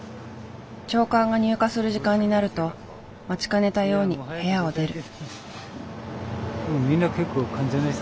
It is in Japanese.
朝刊が入荷する時間になると待ちかねたように部屋を出る。